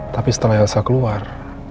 tapi setelah elsa keluar